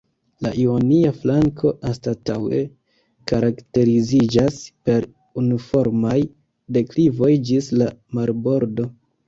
La ionia flanko anstataŭe karakteriziĝas per unuformaj deklivoj ĝis la marbordo.